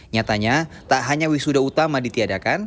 nyatanya tak hanya wisuda utama ditiadakan